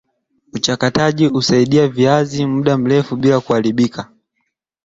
Uchakataji husaidia viazi muda mrefu bila kuharibika